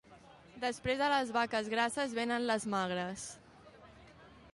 Després de les vaques grasses vénen les magres.